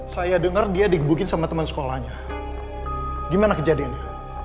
saya dengar dia digugin sama temen sekolahnya gimana kejadiannya